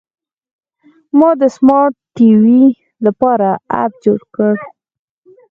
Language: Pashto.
ما د سمارټ ټي وي لپاره اپ جوړ کړ.